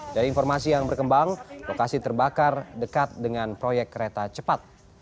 dari informasi yang berkembang lokasi terbakar dekat dengan proyek kereta cepat